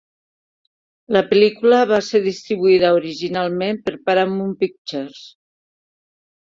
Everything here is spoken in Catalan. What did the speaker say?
La pel·lícula va ser distribuïda originalment per Paramount Pictures.